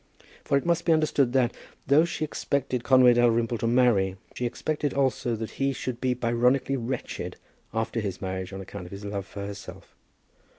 For it must be understood that, though she expected Conway Dalrymple to marry, she expected also that he should be Byronically wretched after his marriage on account of his love for herself.